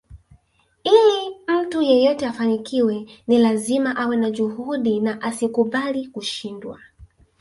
Ili mtu yeyote afanikiwe ni lazima awe na juhudi na asikubali kushindwa